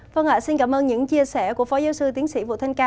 vâng ạ xin cảm ơn những chia sẻ của phó giáo sư tiến sĩ vũ thanh ca